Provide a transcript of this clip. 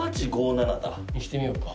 ０８５７だ。にしてみようか。